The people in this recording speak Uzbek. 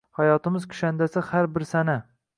Hayotimiz kushandasi har bir sana –